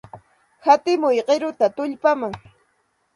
Hatimuy qiruta tullpaman.